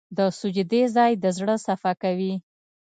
د سجدې ځای د زړه صفا کوي.